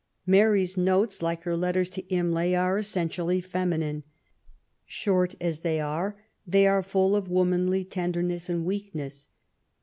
Mary's notes, like her letters to Imlay, are essentially feminine. Short as they are^ they are full of womanly tenderness and weakness.